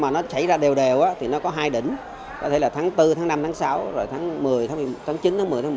nó chảy ra đều đều thì nó có hai đỉnh có thể là tháng bốn tháng năm tháng sáu rồi tháng chín tháng một mươi tháng một tháng một mươi hai